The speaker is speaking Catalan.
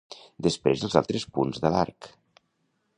Després els altres punts de l'arc.